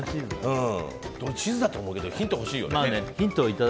俺、チーズだと思うけどヒント欲しいよね。